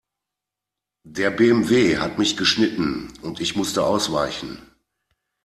Der BMW hat mich geschnitten und ich musste ausweichen.